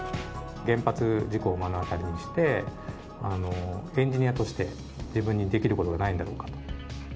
原発事故を目の当たりにして、エンジニアとして自分にできることはないだろうかと。